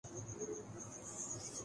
دلچسپ جملے چست کرنا ان کامحبوب مشغلہ ہے